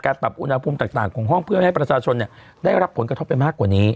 ปรับอุณหภูมิต่างของห้องเพื่อให้ประชาชนได้รับผลกระทบไปมากกว่านี้